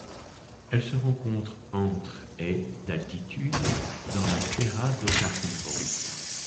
Elle se rencontre entre et d'altitude dans la Serra do Cachimbo.